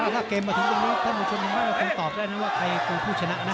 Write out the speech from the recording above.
ถ้าเกมมาถึงตรงนี้ท่านผู้ชมยังไม่คงตอบได้นะว่าใครคือผู้ชนะนะ